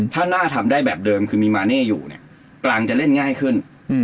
ถ้าน่าทำได้แบบเดิมคือมีมาเน่อยู่เนี่ยกลางจะเล่นง่ายขึ้น